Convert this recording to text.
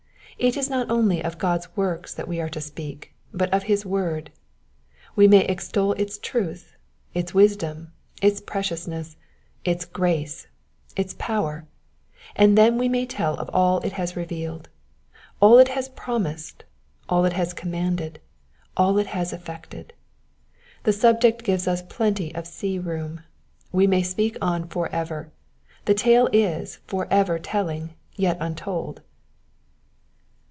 It is not only of God's works that we are to speak, but of his word. We may extol its truth, its wisdom, its preciousness, its grace, its power ; and then we may tell of all it has revealed, all it has promised, all it has commanded, all it has effected. The subject gives us plenty of sea room ; we may speak on for ever : the tale is for ever telling, yet untold.